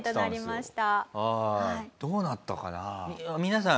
どうなったかな。